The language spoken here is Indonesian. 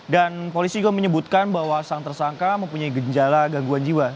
dan polisi juga menyebutkan bahwa sang tersangka mempunyai genjala gangguan jiwa